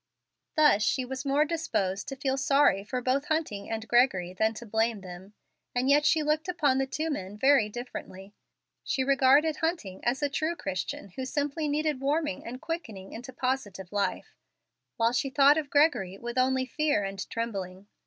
Thus she was more disposed to feel sorry for both Hunting and Gregory than to blame them. And yet she looked upon the two men very differently. She regarded Hunting as a true Christian who simply needed warming and quickening into positive life, while she thought of Gregory with only fear and trembling.